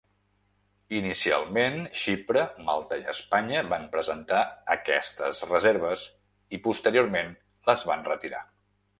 Inicialment, Xipre, Malta i Espanya van presentar aquestes reserves i posteriorment les van retirar.